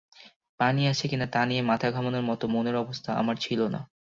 পানি আছে কি না তা নিয়ে মাথা ঘামানোর মতো মনের অবস্থা আমার ছিল না।